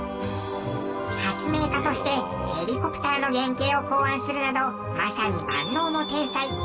発明家としてヘリコプターの原型を考案するなどまさに万能の天才。